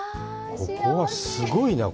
ここはすごいな。